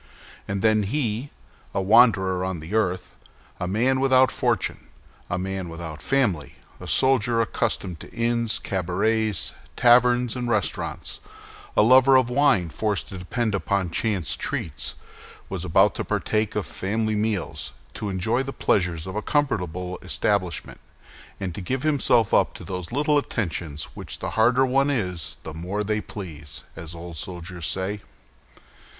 And then he—a wanderer on the earth, a man without fortune, a man without family, a soldier accustomed to inns, cabarets, taverns, and restaurants, a lover of wine forced to depend upon chance treats—was about to partake of family meals, to enjoy the pleasures of a comfortable establishment, and to give himself up to those little attentions which "the harder one is, the more they please," as old soldiers say.